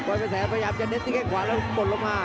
พลอยประแสพยายามจะเน็ตที่แค่ขวานแล้วกดลงมา